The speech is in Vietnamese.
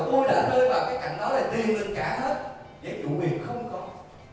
tôi đã rơi vào cái cảnh đó để tiêm lên cả hết